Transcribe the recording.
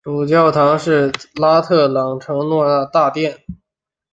主教座堂是拉特朗圣若望大殿。